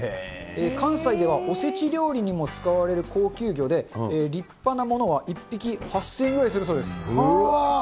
関西ではおせち料理にも使われる高級魚で、立派なものは１匹８０００円くらいするそうです。